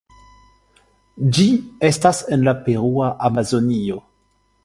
Ĝi estas en la Perua Amazonio.